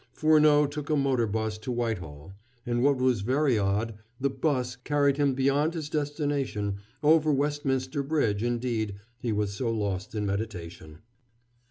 Furneaux took a motor bus to Whitehall, and, what was very odd, the 'bus carried him beyond his destination, over Westminster Bridge, indeed, he was so lost in meditation.